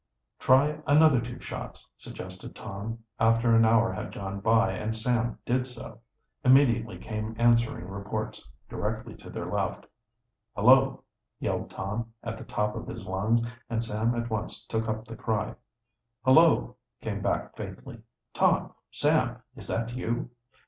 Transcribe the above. "Try another two shots," suggested Tom, after an hour had gone by, and Sam did so. Immediately came answering reports, directly to their left. "Hullo!" yelled Tom, at the top of his lungs, and Sam at once took up the cry. "Hullo!" came back faintly. "Tom! Sam! Is that you?"